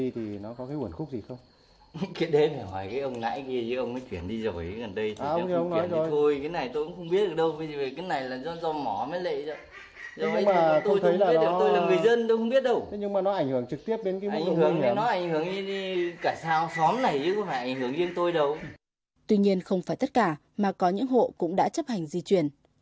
tuy nhiên không phải tất cả mà có những hộ cũng đã chấp hành di chuyển